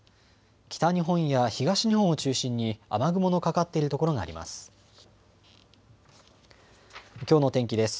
北日本や東日本を中心に雨雲のかかっている所があります。